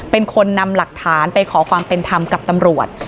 เป็นคนนำหลักฐานไปขอความเป็นธรรมกับตำรวจ